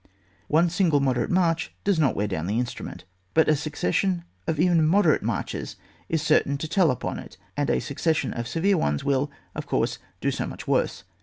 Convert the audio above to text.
One single moderate march does not wear down the instrument, but a succes sion of even moderate marches is certain to tell upon it, and a succession of severe ones will, of course, do so much sooner.